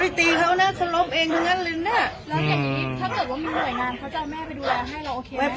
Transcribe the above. เพราะความเหงื่อไหลไหม